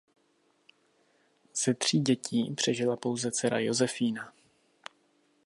Ze tří dětí přežila pouze dcera Josefína.